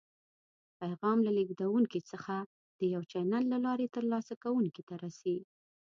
پیغام له لیږدونکي څخه د یو چینل له لارې تر لاسه کوونکي ته رسي.